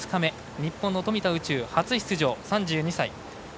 日本の富田宇宙、初出場、３２歳。